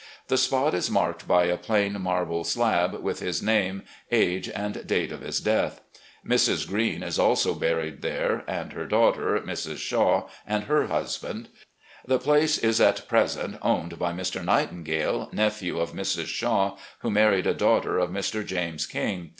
The spot is marked by a plain marble slab, with his name, age, and date of his death. Mrs. Green is also buried there, and her daughter, Mrs. Shaw, and her husband. The place is at present owned by Mr. Nightingale, nephew of Mrs. Shaw, who married a daughter of Mr. James King.